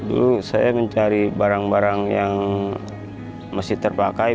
dulu saya mencari barang barang yang masih terpakai